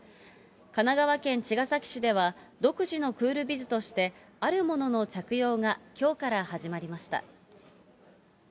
神奈川県茅ヶ崎市では独自のクールビズとして、あるものの着用がきょうから始まりました。